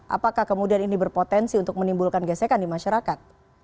apakah kemudian ini berpotensi untuk menimbulkan gesekan di masyarakat